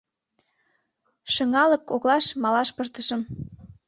— Шыҥалык коклаш малаш пыштышым.